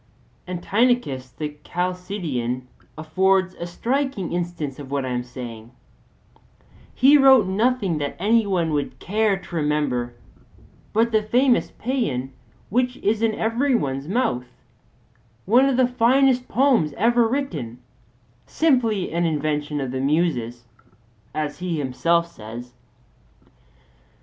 And Tynnichus the Chalcidian affords a striking instance of what I am saying: he wrote nothing that any one would care to remember but the famous paean which is in every one's mouth, one of the finest poems ever written, simply an invention of the Muses, as he himself says.